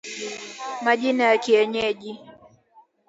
Majina ya Kienyeji